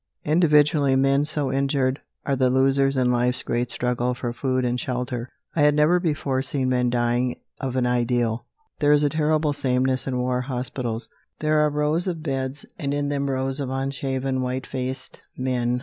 Individually, men so injured are the losers in life's great struggle for food and shelter. I had never before seen men dying of an ideal. There is a terrible sameness in war hospitals. There are rows of beds, and in them rows of unshaven, white faced men.